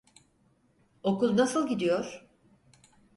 Okul nasıl gidiyor?